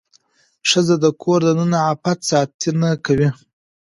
ښځه د کور دننه د عفت ساتنه کوي.